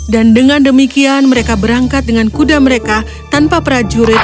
dan dengan demikian mereka berangkat dengan kuda mereka tanpa prajurit